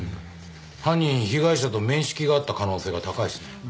犯人被害者と面識があった可能性が高いですね。